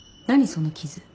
その傷。